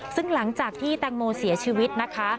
ซึ่งหลังจากที่แตงโมเสียชีวิตนะคะ